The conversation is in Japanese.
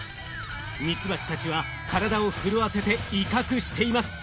ミツバチたちは体を震わせて威嚇しています。